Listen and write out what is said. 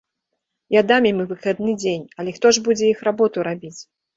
Я дам ім выхадны дзень, але хто ж будзе іх работу рабіць?